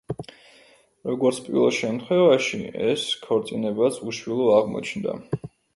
როგორც პირველ შემთხვევაში, ეს ქორწინებაც უშვილო აღმოჩნდა.